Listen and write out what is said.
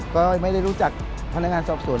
ก็ไม่ได้รู้จักพนักงานสอบสวน